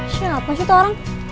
siapa sih itu orang